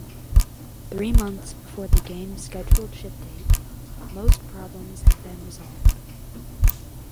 Three months before the game's scheduled ship date, most problems had been resolved.